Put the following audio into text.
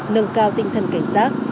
nâng cao tinh thần cảnh sát